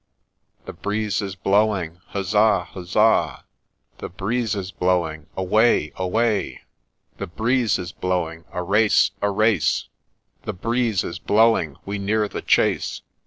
' The breeze is blowing — huzza ! huzza 1 The breeze is blowing — away ! away 1 The breeze is blowing — a race ! a race ! The breeze is blowing — we near the chase